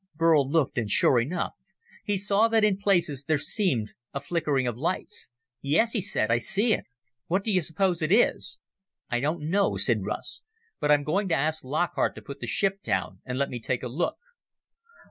Burl looked, and sure enough, he saw that in places there seemed a flickering of lights. "Yes," he said, "I see it. What do you suppose it is?" "I don't know," said Russ, "But I'm going to ask Lockhart to put the ship down and let me take a look."